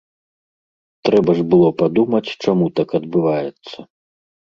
Трэба ж было падумаць, чаму так адбываецца?